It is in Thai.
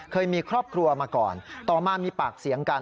เคยมีครอบครัวมาก่อนต่อมามีปากเสียงกัน